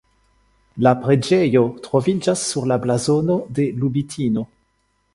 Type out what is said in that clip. La preĝejo troviĝas sur la blazono de Lubitino.